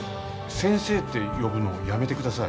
先生って呼ぶのやめてください。